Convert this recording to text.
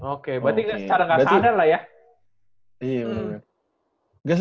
oke berarti lu secara kasarannya lah ya